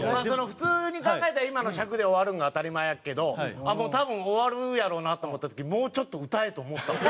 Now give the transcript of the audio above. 普通に考えたら今の尺で終わるんが当たり前やけど多分終わるやろうなと思った時もうちょっと歌えと思ったもん。